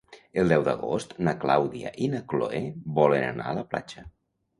El deu d'agost na Clàudia i na Cloè volen anar a la platja.